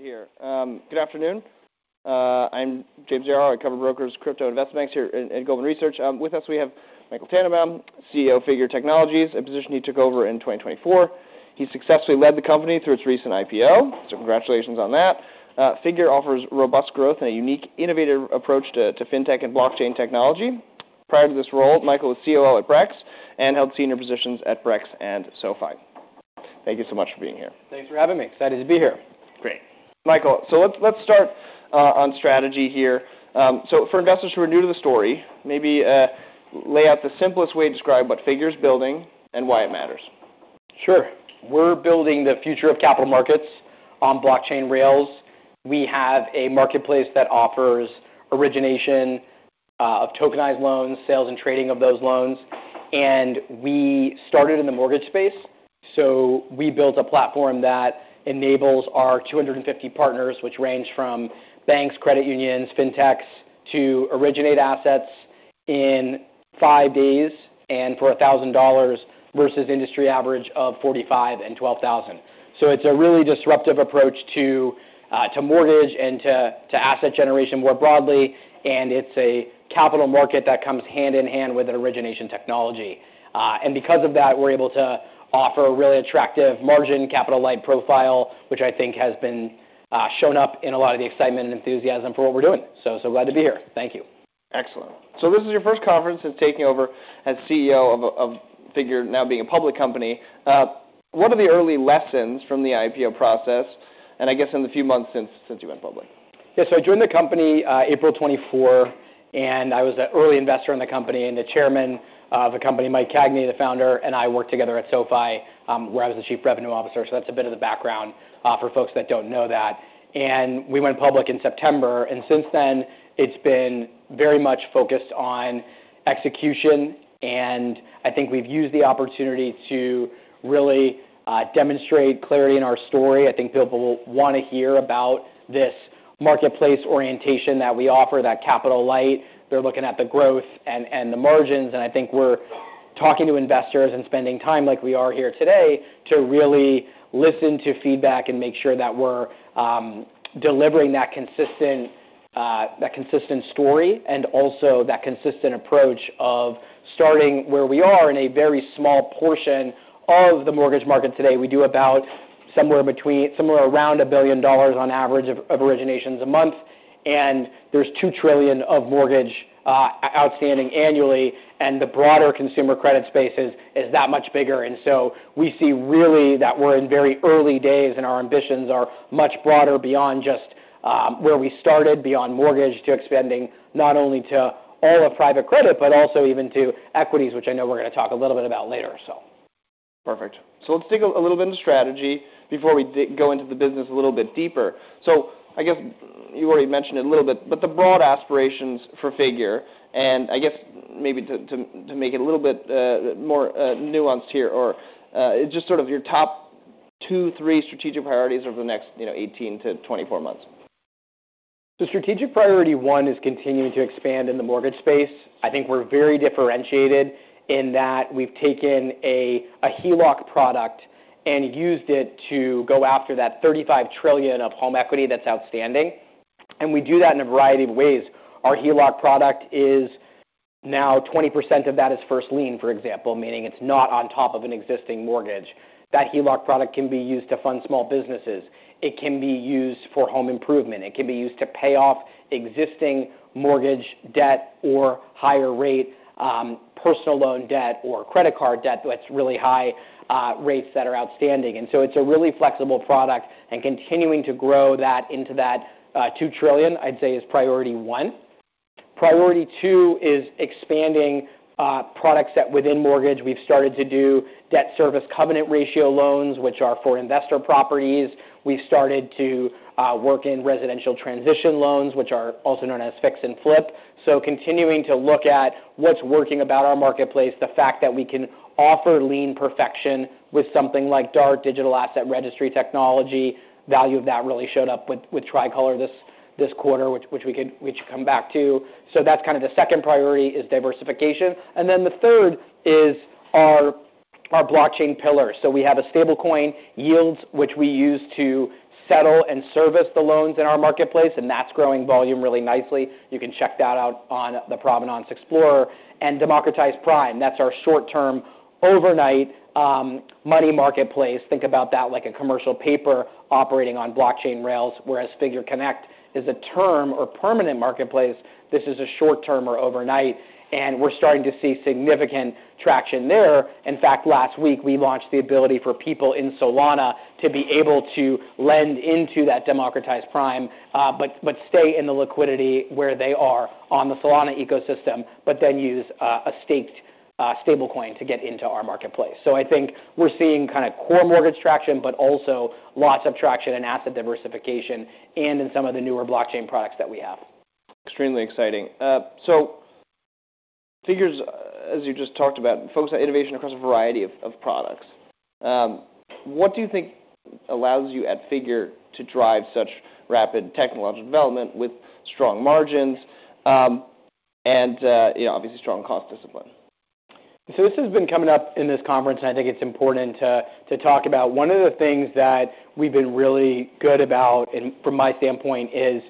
Good afternoon. I'm James Yaro. I cover Brokers, Crypto, and Investment Banks here in Goldman Research. With us, we have Michael Tannenbaum, CEO of Figure Technologies, a position he took over in 2024. He successfully led the company through its recent IPO, so congratulations on that. Figure offers robust growth and a unique, innovative approach to fintech and blockchain technology. Prior to this role, Michael was COO at Brex and held senior positions at Brex and SoFi. Thank you so much for being here. Thanks for having me. Excited to be here. Great. Michael, let's start on strategy here. For investors who are new to the story, maybe lay out the simplest way to describe what Figure's building and why it matters. Sure. We're building the future of capital markets on blockchain rails. We have a marketplace that offers origination of tokenized loans, sales and trading of those loans, and we started in the mortgage space, so we built a platform that enables our 250 partners, which range from banks, credit unions, fintechs, to originate assets in five days and for $1,000 versus industry average of 45 and $12,000, so it's a really disruptive approach to mortgage and to asset generation more broadly. And it's a capital market that comes hand in hand with an origination technology, and because of that, we're able to offer a really attractive margin, capital-light profile, which I think has been shown up in a lot of the excitement and enthusiasm for what we're doing. So glad to be here. Thank you. Excellent. This is your first conference since taking over as CEO of Figure, now being a public company. What are the early lessons from the IPO process? I guess in the few months since you went public. Yeah. I joined the company, April 2024, and I was an early investor in the company. The chairman of the company, Mike Cagney, the founder, and I worked together at SoFi, where I was the chief revenue officer. That's a bit of the background for folks that don't know that. We went public in September. Since then, it's been very much focused on execution. I think we've used the opportunity to really demonstrate clarity in our story. I think people will wanna hear about this marketplace orientation that we offer, that capital light. They're looking at the growth and the margins. I think we're talking to investors and spending time like we are here today to really listen to feedback and make sure that we're delivering that consistent story and also that consistent approach of starting where we are in a very small portion of the mortgage market today. We do about somewhere around $1 billion on average of originations a month. There's $2 trillion of mortgage outstanding annually. The broader consumer credit space is that much bigger. We see really that we're in very early days and our ambitions are much broader beyond just where we started, beyond mortgage to expanding not only to all of private credit but also even to equities, which I know we're gonna talk a little bit about later, so. Perfect. Let's dig a little bit into strategy before we dive into the business a little bit deeper. So I guess you already mentioned it a little bit, but the broad aspirations for Figure, and I guess maybe to make it a little bit more nuanced here or just sort of your top two, three strategic priorities over the next, you know, 18-24 months. Strategic priority one is continuing to expand in the mortgage space. I think we're very differentiated in that we've taken a HELOC product and used it to go after that $35 trillion of home equity that's outstanding. We do that in a variety of ways. Our HELOC product is now 20% of that is first lien, for example, meaning it's not on top of an existing mortgage. That HELOC product can be used to fund small businesses. It can be used for home improvement. It can be used to pay off existing mortgage debt or higher-rate personal loan debt or credit card debt that's really high rates that are outstanding. It's a really flexible product and continuing to grow that into $2 trillion, I'd say, is priority one. Priority two is expanding products that within mortgage we've started to do debt service coverage ratio loans, which are for investor properties. We've started to work in residential transition loans, which are also known as fix and flip. Continuing to look at what's working about our marketplace, the fact that we can offer lien perfection with something like DART, Digital Asset Registry Technology. Value of that really showed up with Tricolor this quarter, which we could, we should come back to. That's kind of the second priority is diversification. And then the third is our blockchain pillar. We have a stablecoin, YLDS, which we use to settle and service the loans in our marketplace. And that's growing volume really nicely. You can check that out on the Provenance Explorer and Democratized Prime. That's our short-term overnight money marketplace. Think about that like a commercial paper operating on blockchain rails. Whereas Figure Connect is a term or permanent marketplace, this is a short-term or overnight, and we're starting to see significant traction there. In fact, last week we launched the ability for people in Solana to be able to lend into that Democratized Prime, but stay in the liquidity where they are on the Solana ecosystem, but then use a staked stablecoin to get into our marketplace, so I think we're seeing kind of core mortgage traction, but also lots of traction in asset diversification and in some of the newer blockchain products that we have. Extremely exciting. Figure's, as you just talked about, focused on innovation across a variety of products. What do you think allows you at Figure to drive such rapid technological development with strong margins, and, you know, obviously strong cost discipline? This has been coming up in this conference, and I think it's important to talk about. One of the things that we've been really good about, and from my standpoint, is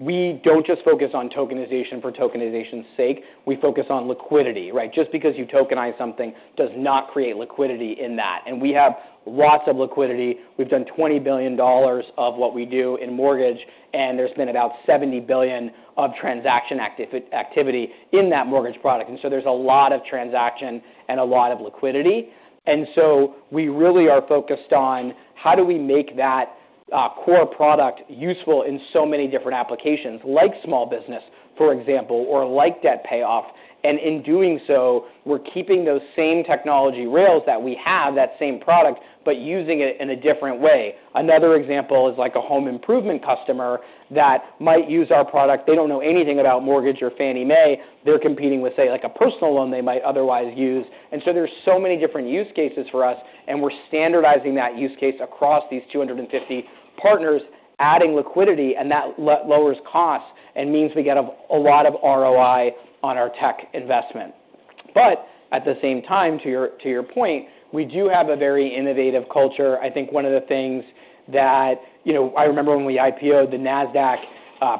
we don't just focus on tokenization for tokenization's sake. We focus on liquidity, right? Just because you tokenize something does not create liquidity in that. We have lots of liquidity. We've done $20 billion of what we do in mortgage, and there's been about $70 billion of transaction activity in that mortgage product. There's a lot of transaction and a lot of liquidity. We really are focused on how do we make that core product useful in so many different applications like small business, for example, or like debt payoff. In doing so, we're keeping those same technology rails that we have, that same product, but using it in a different way. Another example is like a home improvement customer that might use our product. They don't know anything about mortgage or Fannie Mae. They're competing with, say, like a personal loan they might otherwise use. There's so many different use cases for us, and we're standardizing that use case across these 250 partners, adding liquidity, and that lowers costs and means we get a lot of ROI on our tech investment. But at the same time, to your point, we do have a very innovative culture. I think one of the things that, you know, I remember when we IPO'd, the Nasdaq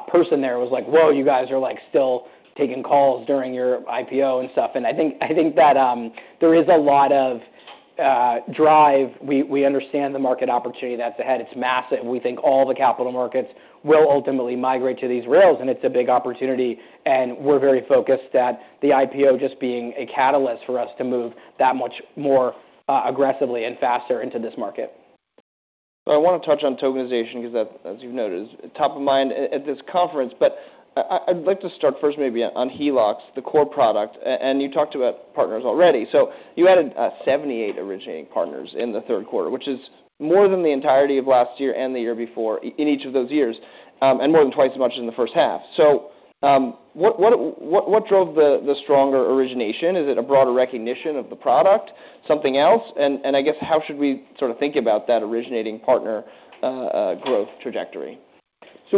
personnel, there was like, "Whoa, you guys are like still taking calls during your IPO and stuff." I think that there is a lot of drive. We understand the market opportunity that's ahead. It's massive. We think all the capital markets will ultimately migrate to these rails, and it's a big opportunity. We're very focused at the IPO just being a catalyst for us to move that much more aggressively and faster into this market. I wanna touch on tokenization 'cause that, as you've noted, is top of mind at this conference. But I'd like to start first, maybe on HELOCs, the core product. You talked about partners already. You added 78 originating partners in the third quarter, which is more than the entirety of last year and the year before in each of those years, and more than twice as much in the first half. What drove the stronger origination? Is it a broader recognition of the product, something else? And I guess, how should we sort of think about that originating partner growth trajectory?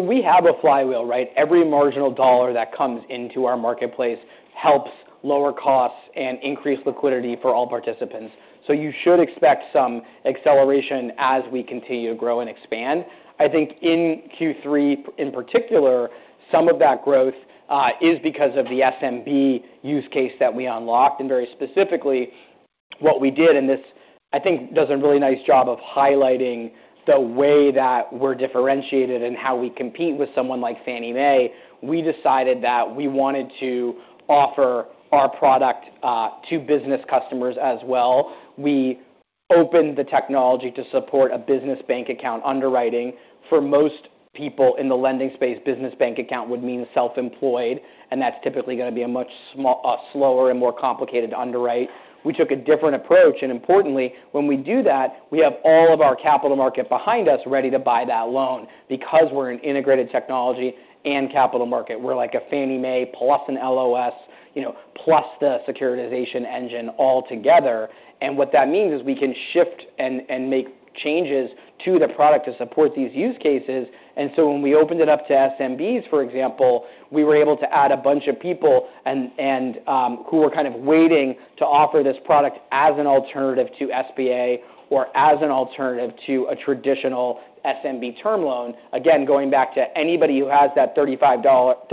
We have a flywheel, right? Every marginal dollar that comes into our marketplace helps lower costs and increase liquidity for all participants, so you should expect some acceleration as we continue to grow and expand. I think in Q3 in particular, some of that growth is because of the SMB use case that we unlocked and very specifically, what we did, and this I think does a really nice job of highlighting the way that we're differentiated and how we compete with someone like Fannie Mae. We decided that we wanted to offer our product to business customers as well. We opened the technology to support a business bank account underwriting. For most people in the lending space, business bank account would mean self-employed, and that's typically gonna be a much slower and more complicated underwrite. We took a different approach. Importantly, when we do that, we have all of our capital market behind us, ready to buy that loan because we're an integrated technology and capital market. We're like a Fannie Mae plus an LOS, you know, plus the securitization engine altogether. What that means is we can shift and make changes to the product to support these use cases. And so when we opened it up to SMBs, for example, we were able to add a bunch of people who were kind of waiting to offer this product as an alternative to SBA or as an alternative to a traditional SMB term loan. Again, going back to anybody who has that $35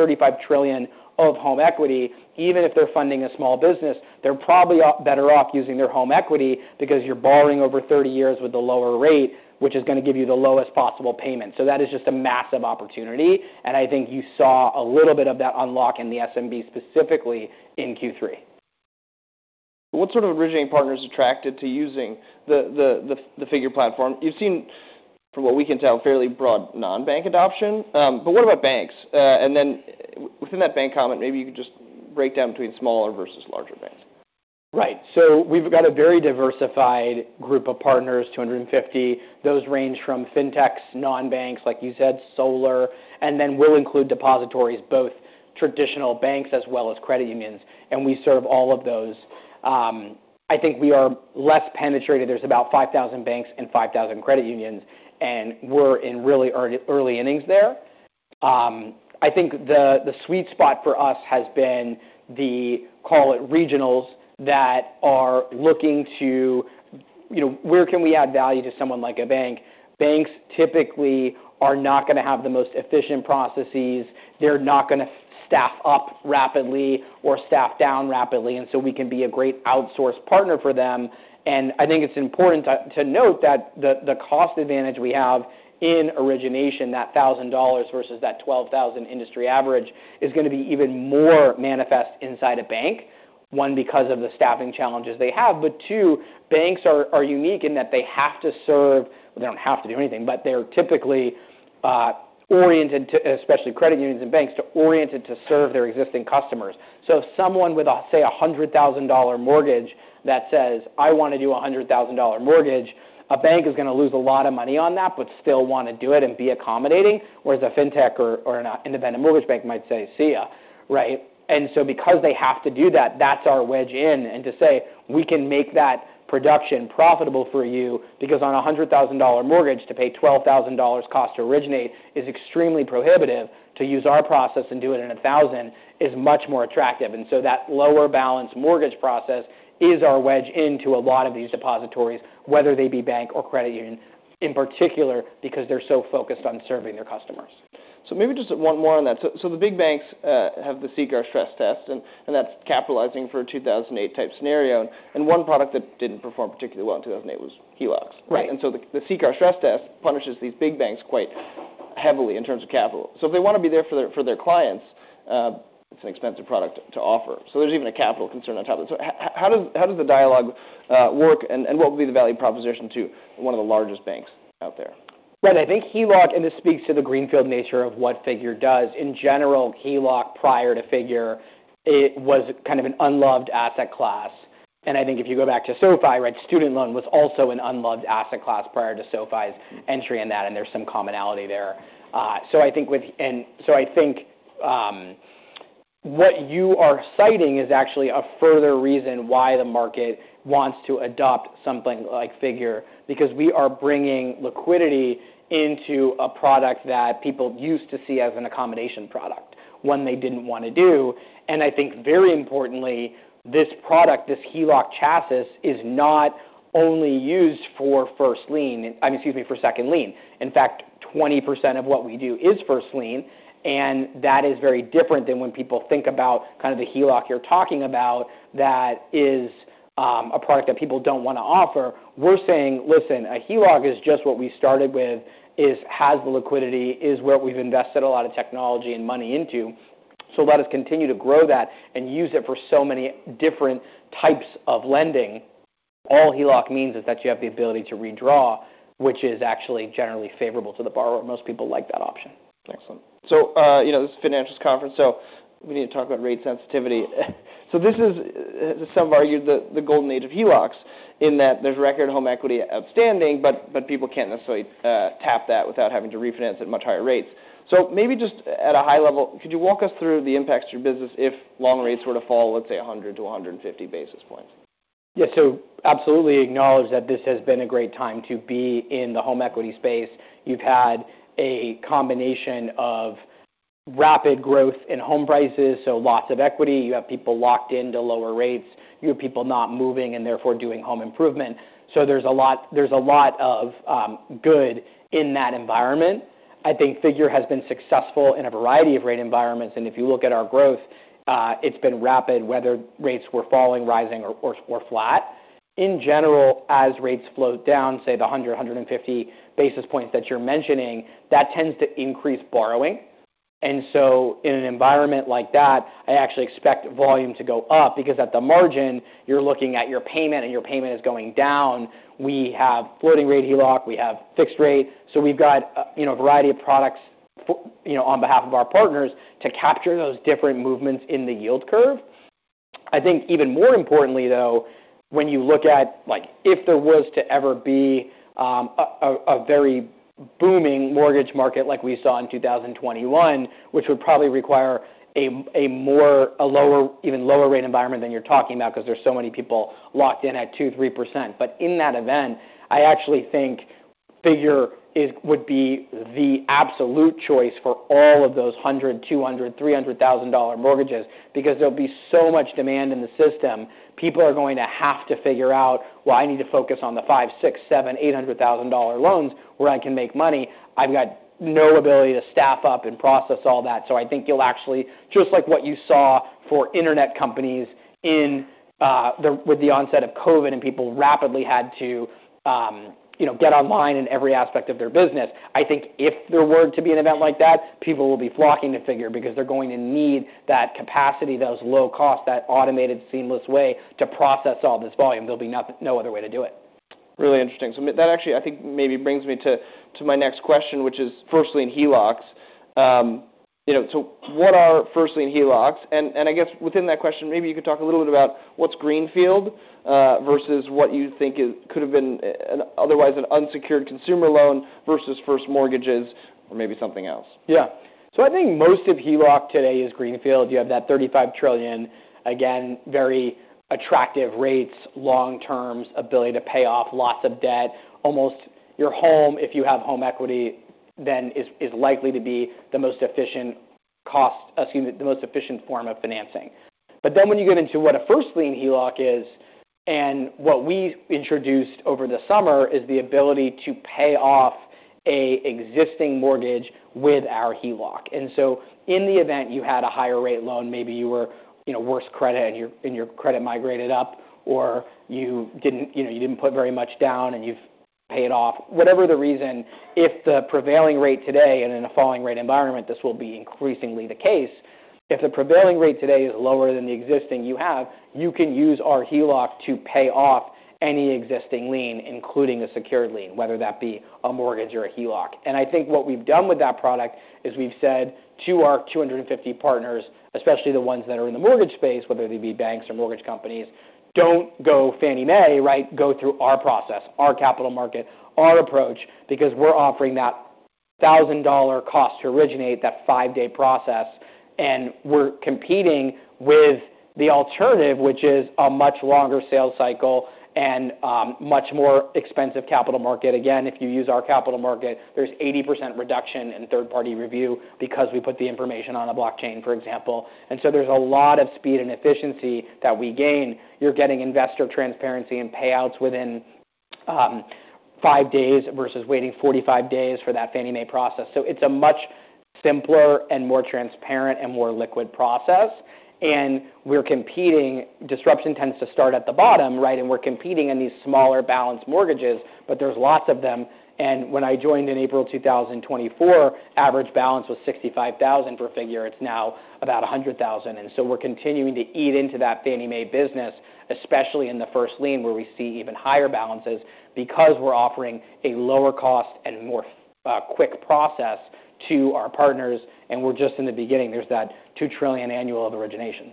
trillion of home equity, even if they're funding a small business, they're probably better off using their home equity because you're borrowing over 30 years with the lower rate, which is gonna give you the lowest possible payment. That is just a massive opportunity. And I think you saw a little bit of that unlock in the SMB, specifically in Q3. What sort of originating partners attracted to using the Figure platform? You've seen, from what we can tell, fairly broad non-bank adoption. But what about banks? And then within that bank comment, maybe you could just break down between smaller versus larger banks. Right, so we've got a very diversified group of partners, 250. Those range from fintechs, non-banks, like you said, solar, and then we'll include depositories, both traditional banks as well as credit unions, and we serve all of those. I think we are less penetrated. There's about 5,000 banks and 5,000 credit unions, and we're in really early, early innings there. I think the sweet spot for us has been the, call it regionals that are looking to, you know, where can we add value to someone like a bank? Banks typically are not gonna have the most efficient processes. They're not gonna staff up rapidly or staff down rapidly, and so we can be a great outsource partner for them. I think it's important to note that the cost advantage we have in origination, that $1,000 versus that $12,000 industry average is gonna be even more manifest inside a bank, one, because of the staffing challenges they have, but two, banks are unique in that they have to serve, they don't have to do anything, but they're typically oriented to, especially credit unions and banks, oriented to serve their existing customers. If someone with a, say, a $100,000 mortgage that says, "I wanna do a $100,000 mortgage." a bank is gonna lose a lot of money on that but still wanna do it and be accommodating, whereas a fintech or an independent mortgage bank might say, "See ya." right? And so because they have to do that, that's our wedge in. And to say, "We can make that production profitable for you," because on a $100,000 mortgage, to pay $12,000 cost to originate is extremely prohibitive. To use our process and do it in $1,000 is much more attractive. That lower balance mortgage process is our wedge into a lot of these depositories, whether they be bank or credit union in particular, because they're so focused on serving their customers. Maybe just one more on that. The big banks have the CCAR stress test, and that's capitalizing for a 2008-type scenario, and one product that didn't perform particularly well in 2008 was HELOCs. Right. The CCAR stress test punishes these big banks quite heavily in terms of capital. They wanna be there for their clients, it's an expensive product to offer. There's even a capital concern on top of it. How does the dialogue work and what would be the value proposition to one of the largest banks out there? Right. I think HELOC, and this speaks to the greenfield nature of what Figure does. In general, HELOC prior to Figure, it was kind of an unloved asset class, and I think if you go back to SoFi, right, student loan was also an unloved asset class prior to SoFi's entry in that, and there's some commonality there. I think, what you are citing is actually a further reason why the market wants to adopt something like Figure, because we are bringing liquidity into a product that people used to see as an accommodation product when they didn't wanna do, and I think very importantly, this product, this HELOC chassis, is not only used for first lien, I mean, excuse me, for second lien. In fact, 20% of what we do is first lien, and that is very different than when people think about kind of the HELOC you're talking about that is a product that people don't wanna offer. We're saying, "Listen, a HELOC is just what we started with, has the liquidity, is where we've invested a lot of technology and money into. So let us continue to grow that and use it for so many different types of lending." All HELOC means is that you have the ability to redraw, which is actually generally favorable to the borrower. Most people like that option. Excellent. You know, this financials conference, so we need to talk about rate sensitivity. This is, as some have argued, the golden age of HELOCs in that there's record home equity outstanding, but people can't necessarily tap that without having to refinance at much higher rates. At a high level, could you walk us through the impacts to your business if long rates were to fall, let's say, 100-150 basis points? Yeah, so absolutely acknowledge that this has been a great time to be in the home equity space. You've had a combination of rapid growth in home prices, so lots of equity. You have people locked into lower rates. You have people not moving and therefore doing home improvement, so there's a lot of good in that environment. I think Figure has been successful in a variety of rate environments, and if you look at our growth, it's been rapid, whether rates were falling, rising, or flat. In general, as rates float down, say the 100-150 basis points that you're mentioning, that tends to increase borrowing, and so in an environment like that, I actually expect volume to go up because at the margin, you're looking at your payment, and your payment is going down. We have floating rate HELOC. We have fixed rate. We've got, you know, a variety of products for, you know, on behalf of our partners to capture those different movements in the yield curve. I think even more importantly, though, when you look at, like, if there was to ever be a very booming mortgage market like we saw in 2021, which would probably require a lower even lower rate environment than you're talking about, 'cause there's so many people locked in at 2%-3%. But in that event, I actually think Figure would be the absolute choice for all of those $100,000, $200,000, $300,000 mortgages because there'll be so much demand in the system. People are going to have to figure out, "Well, I need to focus on the $500,000, $600,000, $700,000, $800,000 loans where I can make money. I've got no ability to staff up and process all that," so I think you'll actually, just like what you saw for internet companies in with the onset of COVID and people rapidly had to, you know, get online in every aspect of their business, I think if there were to be an event like that, people will be flocking to Figure because they're going to need that capacity, those low costs, that automated, seamless way to process all this volume. There'll be nothing, no other way to do it. Really interesting, so that actually, I think, maybe brings me to my next question, which is first lien HELOCs, you know, so what are first lien HELOCs? And I guess within that question, maybe you could talk a little bit about what's greenfield versus what you think is could have been an otherwise unsecured consumer loan versus first mortgages or maybe something else. Yeah. I think most of HELOC today is greenfield. You have that $35 trillion, again, very attractive rates, long terms, ability to pay off lots of debt. Almost your home, if you have home equity, then is likely to be the most efficient cost, excuse me, the most efficient form of financing. But then when you get into what a first lien HELOC is, and what we introduced over the summer is the ability to pay off an existing mortgage with our HELOC. In the event you had a higher rate loan, maybe you were, you know, worse credit and your credit migrated up, or you didn't, you know, put very much down and you've paid off, whatever the reason, if the prevailing rate today, and in a falling rate environment, this will be increasingly the case. If the prevailing rate today is lower than the existing you have, you can use our HELOC to pay off any existing lien, including a secured lien, whether that be a mortgage or a HELOC, and I think what we've done with that product is we've said to our 250 partners, especially the ones that are in the mortgage space, whether they be banks or mortgage companies, "Don't go Fannie Mae," right, "go through our process, our capital market, our approach, because we're offering that $1,000 cost to originate, that five-day process, and we're competing with the alternative, which is a much longer sales cycle and much more expensive capital market." Again, if you use our capital market, there's 80% reduction in third-party review because we put the information on a blockchain, for example, and so there's a lot of speed and efficiency that we gain. You're getting investor transparency and payouts within five days versus waiting 45 days for that Fannie Mae process. It's a much simpler and more transparent and more liquid process. We're competing. Disruption tends to start at the bottom, right? We're competing in these smaller balance mortgages, but there's lots of them. When I joined in April 2024, average balance was $65,000 for Figure. It's now about $100,000. We're continuing to eat into that Fannie Mae business, especially in the first lien where we see even higher balances because we're offering a lower cost and more quick process to our partners. And we're just in the beginning. There's that $2 trillion annual of origination.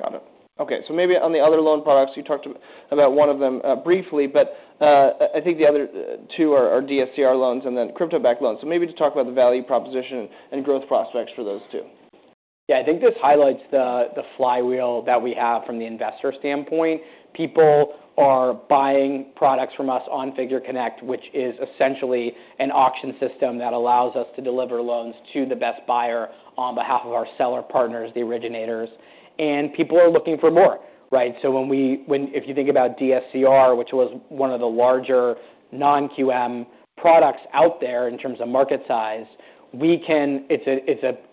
Got it. Okay. Maybe on the other loan products, you talked about one of them, briefly, but, I think the other two are DSCR loans and then crypto-backed loans. So maybe to talk about the value proposition and growth prospects for those two. Yeah. I think this highlights the flywheel that we have from the investor standpoint. People are buying products from us on Figure Connect, which is essentially an auction system that allows us to deliver loans to the best buyer on behalf of our seller partners, the originators. People are looking for more, right? If you think about DSCR, which was one of the larger non-QM products out there in terms of market size,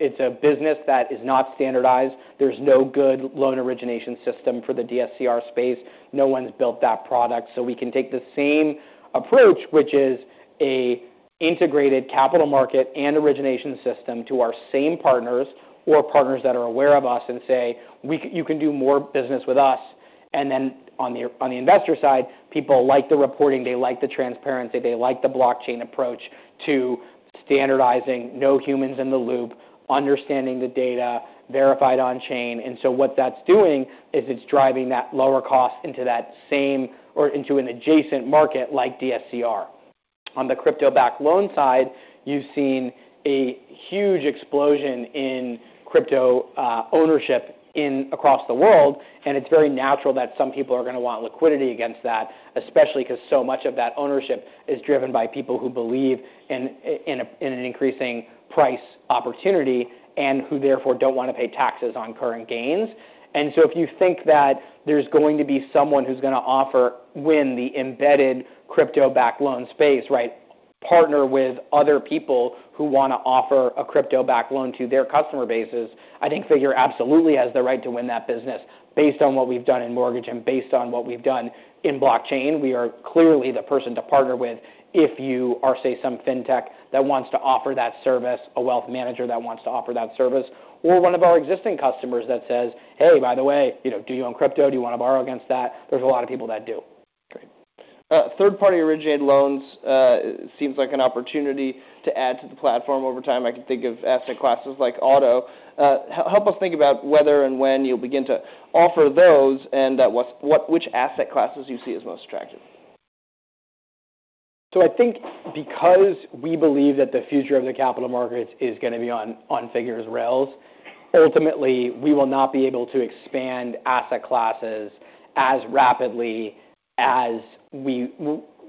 it's a business that is not standardized. There's no good loan origination system for the DSCR space. No one's built that product. We can take the same approach, which is an integrated capital market and origination system to our same partners or partners that are aware of us and say, "We can. You can do more business with us." And then on the investor side, people like the reporting, they like the transparency, they like the blockchain approach to standardizing, no humans in the loop, understanding the data, verified on chain. What that's doing is it's driving that lower cost into that same or into an adjacent market like DSCR. On the crypto-backed loan side, you've seen a huge explosion in crypto ownership across the world. It's very natural that some people are gonna want liquidity against that, especially 'cause so much of that ownership is driven by people who believe in an increasing price opportunity and who therefore don't wanna pay taxes on current gains. If you think that there's going to be someone who's gonna offer, win the embedded crypto-backed loan space, right, partner with other people who wanna offer a crypto-backed loan to their customer bases, I think Figure absolutely has the right to win that business based on what we've done in mortgage and based on what we've done in blockchain. We are clearly the person to partner with if you are, say, some fintech that wants to offer that service, a wealth manager that wants to offer that service, or one of our existing customers that says, "Hey, by the way, you know, do you own crypto? Do you wanna borrow against that?" There's a lot of people that do. Great. Third-party originated loans. Seems like an opportunity to add to the platform over time. I can think of asset classes like auto. Help us think about whether and when you'll begin to offer those and which asset classes you see as most attractive. I think because we believe that the future of the capital markets is gonna be on Figure's rails, ultimately we will not be able to expand asset classes as rapidly as we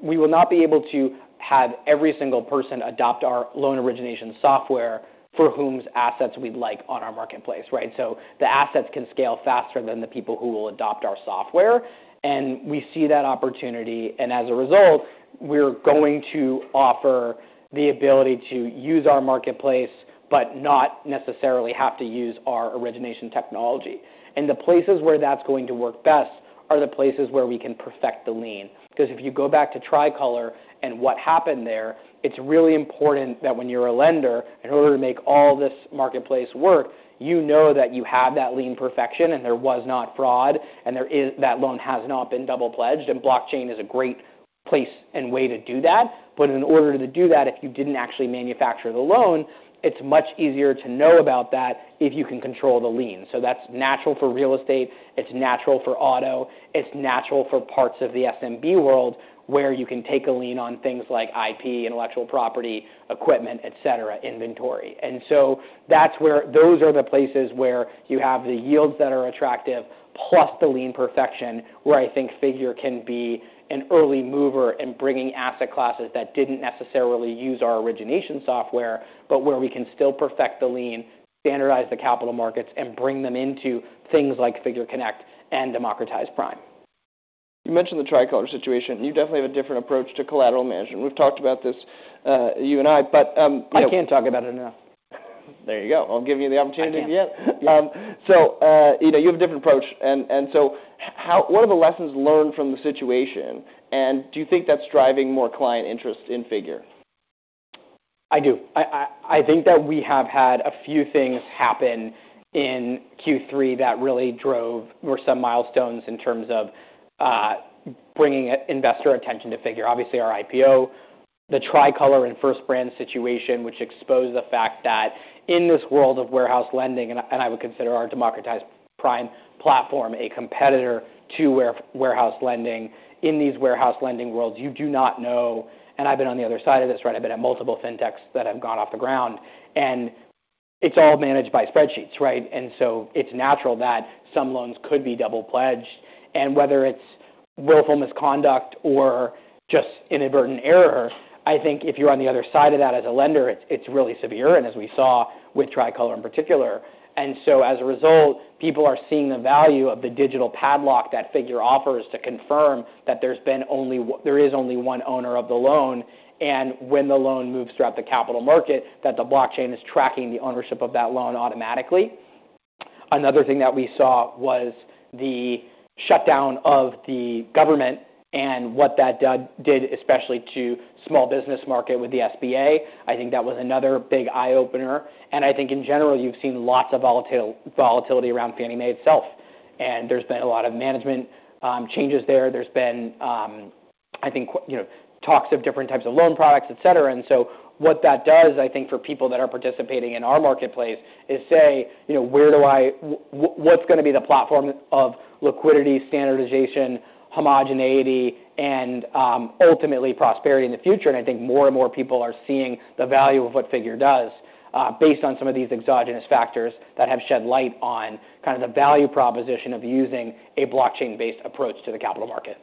will not be able to have every single person adopt our loan origination software for whose assets we'd like on our marketplace, right? The assets can scale faster than the people who will adopt our software. We see that opportunity. As a result, we're going to offer the ability to use our marketplace, but not necessarily have to use our origination technology. And the places where that's going to work best are the places where we can perfect the lien. ’Cause if you go back to Tricolor and what happened there, it’s really important that when you’re a lender, in order to make all this marketplace work, you know that you have that lien perfection and there was not fraud and there is that loan has not been double pledged. And blockchain is a great place and way to do that. But in order to do that, if you didn’t actually manufacture the loan, it’s much easier to know about that if you can control the lien. So that’s natural for real estate. It’s natural for auto. It’s natural for parts of the SMB world where you can take a lien on things like IP, intellectual property, equipment, etc., and inventory. That's where those are the places where you have the YLDS that are attractive, plus the lien perfection where I think Figure can be an early mover in bringing asset classes that didn't necessarily use our origination software, but where we can still perfect the lien, standardize the capital markets, and bring them into things like Figure Connect and Democratized Prime. You mentioned the Tricolor situation. You definitely have a different approach to collateral management. We've talked about this, you and I, but. I can't talk about it enough. There you go. I'll give you the opportunity again. Thank you. You know, you have a different approach. What are the lessons learned from the situation? And do you think that's driving more client interest in Figure? I do. I think that we have had a few things happen in Q3 that really drove. Were some milestones in terms of bringing investor attention to Figure. Obviously, our IPO, the Tricolor and First Brands situation, which exposed the fact that in this world of warehouse lending, and I would consider our Democratized Prime platform a competitor to warehouse lending. In these warehouse lending worlds, you do not know, and I've been on the other side of this, right? I've been at multiple fintechs that have gotten off the ground, and it's all managed by spreadsheets, right, and so it's natural that some loans could be double pledged, and whether it's willful misconduct or just inadvertent error, I think if you're on the other side of that as a lender, it's really severe, and as we saw with Tricolor in particular. And so as a result, people are seeing the value of the digital padlock that Figure offers to confirm that there's been only, there is only one owner of the loan. When the loan moves throughout the capital market, that the blockchain is tracking the ownership of that loan automatically. Another thing that we saw was the shutdown of the government and what that did, especially to small business market with the SBA. I think that was another big eye opener. I think in general, you've seen lots of volatility around Fannie Mae itself. And there's been a lot of management changes there. There's been, I think, you know, talks of different types of loan products, etc. What that does, I think, for people that are participating in our marketplace, is, say, you know, where do I, what's gonna be the platform of liquidity, standardization, homogeneity, and, ultimately, prosperity in the future? I think more and more people are seeing the value of what Figure does, based on some of these exogenous factors that have shed light on kind of the value proposition of using a blockchain-based approach to the capital market.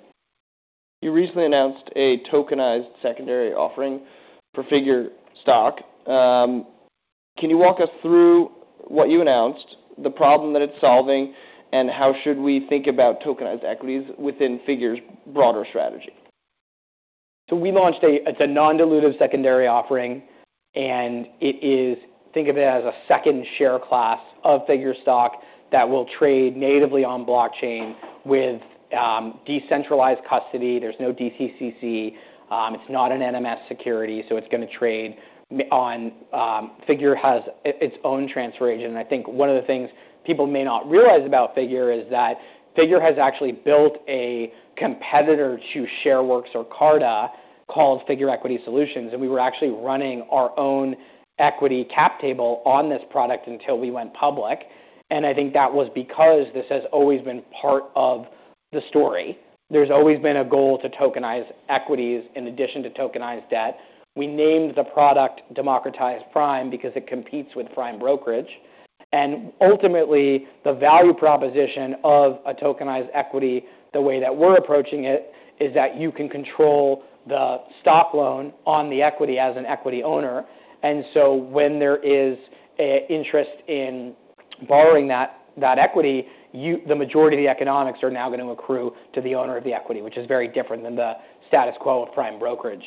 You recently announced a tokenized secondary offering for Figure stock. Can you walk us through what you announced, the problem that it's solving, and how should we think about tokenized equities within Figure's broader strategy? We launched. It's a non-dilutive secondary offering, and it is. Think of it as a second share class of Figure stock that will trade natively on blockchain with decentralized custody. There's no DTCC. It's not an NMS security, so it's gonna trade on. Figure has its own transfer agent, and I think one of the things people may not realize about Figure is that Figure has actually built a competitor to Shareworks or Carta called Figure Equity Solutions, and we were actually running our own equity cap table on this product until we went public, and I think that was because this has always been part of the story. There's always been a goal to tokenize equities in addition to tokenized debt. We named the product Democratized Prime because it competes with Prime Brokerage. Ultimately, the value proposition of a tokenized equity, the way that we're approaching it, is that you can control the stock loan on the equity as an equity owner. When there is an interest in borrowing that equity, the majority of the economics are now gonna accrue to the owner of the equity, which is very different than the status quo of Prime Brokerage.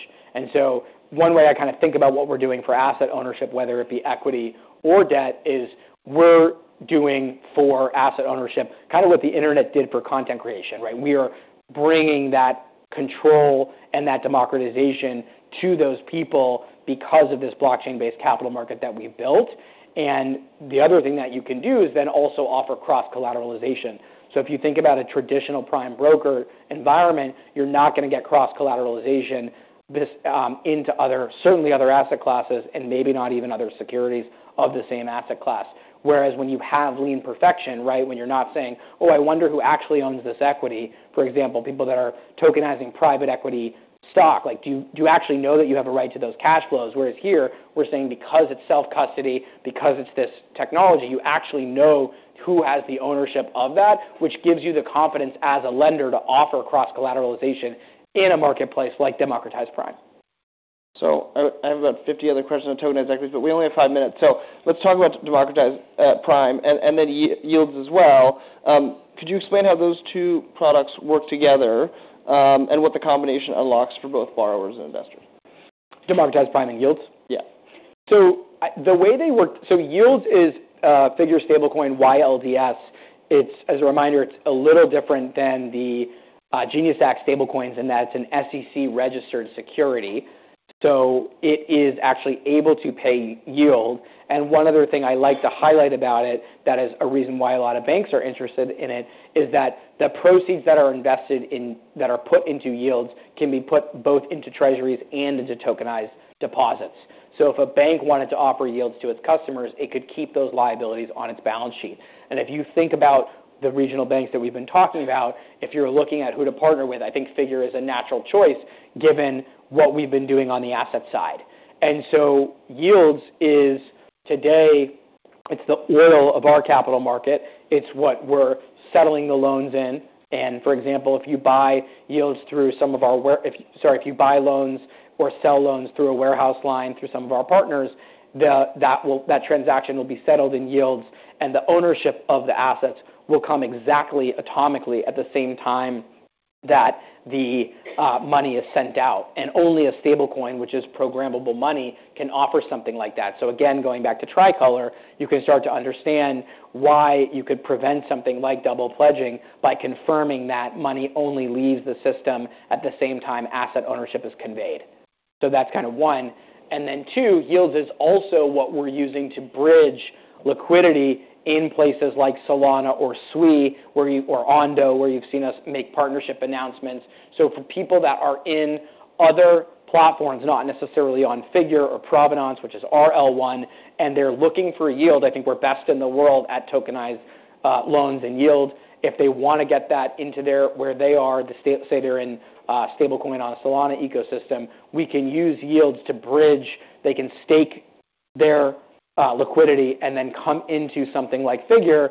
One way I kind of think about what we're doing for asset ownership, whether it be equity or debt, is we're doing for asset ownership kind of what the internet did for content creation, right? We are bringing that control and that democratization to those people because of this blockchain-based capital market that we've built. And the other thing that you can do is then also offer cross-collateralization. If you think about a traditional Prime Broker environment, you're not gonna get cross-collateralization this into other, certainly other asset classes and maybe not even other securities of the same asset class. Whereas when you have lien perfection, right, when you're not saying, "Oh, I wonder who actually owns this equity?" For example, people that are tokenizing private equity stock, like, "Do you actually know that you have a right to those cash flows?" Whereas here, we're saying because it's self-custody, because it's this technology, you actually know who has the ownership of that, which gives you the confidence as a lender to offer cross-collateralization in a marketplace like Democratized Prime. I have about 50 other questions on tokenized equities, but we only have five minutes. Let's talk about Democratized Prime and then YLDS as well. Could you explain how those two products work together, and what the combination unlocks for both borrowers and investors? Democratized Prime and YLDS? Yeah. The way they work, YLDS is a Figure stablecoin YLDS. It's, as a reminder, a little different than the GENIUS Act stablecoins in that it's an SEC-registered security. It is actually able to pay yield. And one other thing I like to highlight about it that is a reason why a lot of banks are interested in it is that the proceeds that are put into YLDS can be put both into treasuries and into tokenized deposits. If a bank wanted to offer YLDS to its customers, it could keep those liabilities on its balance sheet. And if you think about the regional banks that we've been talking about, if you're looking at who to partner with, I think Figure is a natural choice given what we've been doing on the asset side. YLDS is today, it's the oil of our capital market. It's what we're settling the loans in. And for example, if you buy loans or sell loans through a warehouse line through some of our partners, that transaction will be settled in YLDS. The ownership of the assets will come exactly atomically at the same time that the money is sent out. Only a stablecoin, which is programmable money, can offer something like that. So again, going back to Tricolor, you can start to understand why you could prevent something like double pledging by confirming that money only leaves the system at the same time asset ownership is conveyed. So that's kind of one. And then two, YLDS is also what we're using to bridge liquidity in places like Solana or Sui or Ondo, where you've seen us make partnership announcements. For people that are in other platforms, not necessarily on Figure or Provenance, which is our L1, and they're looking for a yield, I think we're best in the world at tokenized loans and yield. If they wanna get that into their where they are, say they're in stablecoin on a Solana ecosystem, we can use YLDS to bridge. They can stake their liquidity and then come into something like Figure,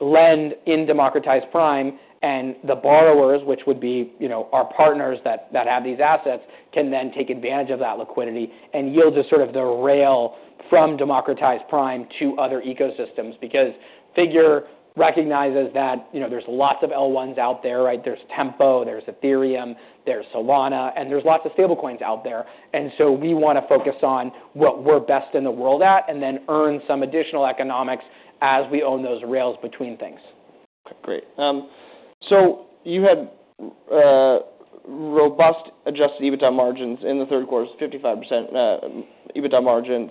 lend in Democratized Prime, and the borrowers, which would be, you know, our partners that have these assets, can then take advantage of that liquidity. And YLDS is sort of the rail from Democratized Prime to other ecosystems because Figure recognizes that, you know, there's lots of L1s out there, right? There's Tempo, there's Ethereum, there's Solana, and there's lots of stablecoins out there. We wanna focus on what we're best in the world at and then earn some additional economics as we own those rails between things. Okay. Great. You have robust Adjusted EBITDA margins in the third quarter, 55% EBITDA margin.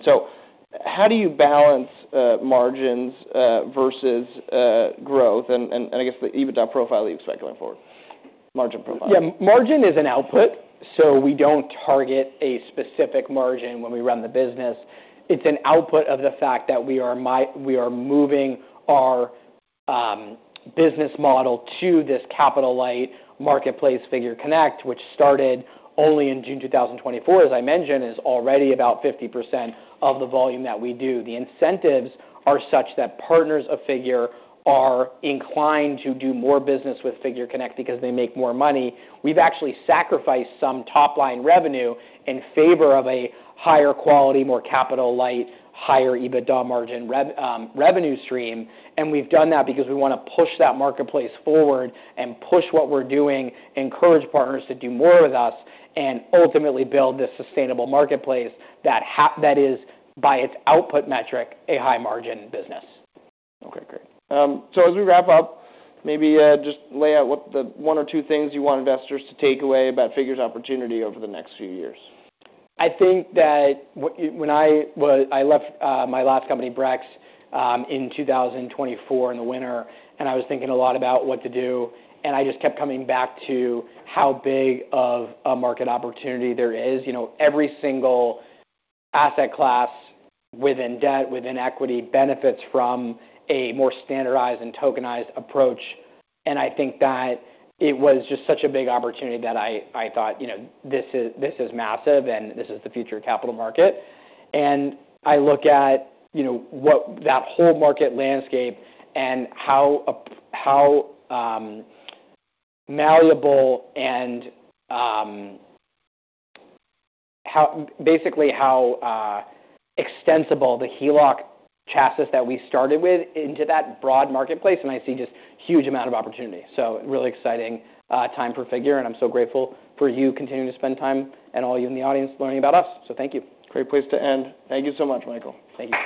How do you balance margins versus growth and I guess the EBITDA profile that you expect going forward, margin profile? Yeah. Margin is an output. We don't target a specific margin when we run the business. It's an output of the fact that we are moving our business model to this captial-light marketplace Figure Connect, which started only in June 2024, as I mentioned, is already about 50% of the volume that we do. The incentives are such that partners of Figure are inclined to do more business with Figure Connect because they make more money. We've actually sacrificed some top-line revenue in favor of a higher quality, more capital-light, higher EBITDA margin revenue stream. We've done that because we wanna push that marketplace forward and push what we're doing, encourage partners to do more with us, and ultimately build this sustainable marketplace that is, by its output metric, a high-margin business. Okay. Great, so as we wrap up, maybe just lay out what the one or two things you want investors to take away about Figure's opportunity over the next few years. I think that when I was, I left my last company, Brex, in 2024 in the winter, and I was thinking a lot about what to do. And I just kept coming back to how big of a market opportunity there is. You know, every single asset class within debt, within equity, benefits from a more standardized and tokenized approach. And I think that it was just such a big opportunity that I thought, you know, this is massive and this is the future capital market. I look at, you know, what that whole market landscape and how malleable and basically how extensible the HELOC chassis that we started with into that broad marketplace. I see just a huge amount of opportunity. So r eally exciting time for Figure. And I'm so grateful for you continuing to spend time and all you in the audience learning about us. So thank you. Great place to end. Thank you so much, Michael. Thank you.